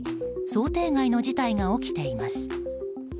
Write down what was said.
想定外の事態が起きています。